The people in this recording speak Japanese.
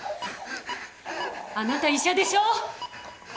ッあなた医者でしょ？